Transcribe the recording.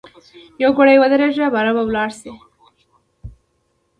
یوګړی ودریږه باره به ولاړ سی.